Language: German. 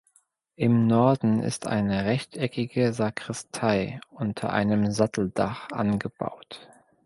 Im Norden ist eine rechteckige Sakristei unter einem Satteldach angebaut.